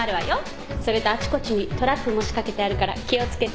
それとあちこちにトラップも仕掛けてあるから気を付けてね。